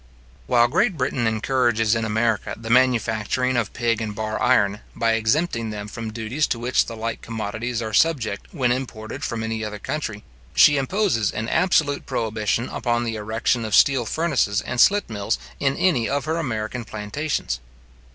While Great Britain encourages in America the manufacturing of pig and bar iron, by exempting them from duties to which the like commodities are subject when imported from any other country, she imposes an absolute prohibition upon the erection of steel furnaces and slit mills in any of her American plantations.